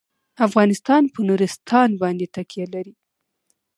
افغانستان په نورستان باندې تکیه لري.